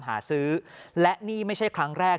หาซื้อและนี่ไม่ใช่ครั้งแรก